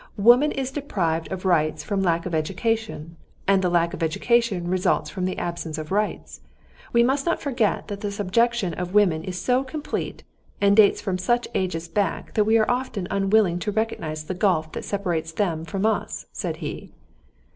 Woman is deprived of rights from lack of education, and the lack of education results from the absence of rights. We must not forget that the subjection of women is so complete, and dates from such ages back that we are often unwilling to recognize the gulf that separates them from us," said he.